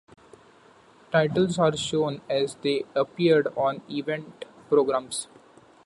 Titles are shown as they appeared on event programs.